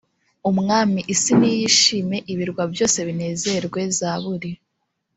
umwami isi niyishime ibirwa byose binezerwe zaburi